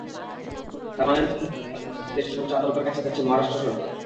সালমানের মুক্তির রায়ের বিরুদ্ধে দেশের সর্বোচ্চ আদালতের কাছে যাচ্ছে মহারাষ্ট্র সরকার।